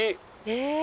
え。